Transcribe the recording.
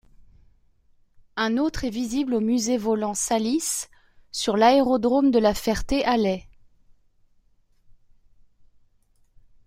Un autre est visible au musée volant Salis sur l'aérodrome de La Ferté-Alais.